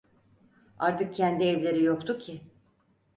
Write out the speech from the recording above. Artık kendi evleri yoktu ki…